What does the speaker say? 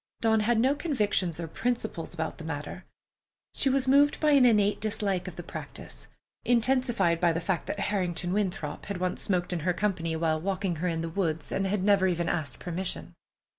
Dawn had no convictions or principles about the matter. She was moved by an innate dislike of the practice, intensified by the fact that Harrington Winthrop had once smoked in her company while walking with her in the woods, and had never even asked permission.